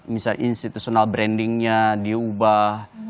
misal institutional brandingnya diubah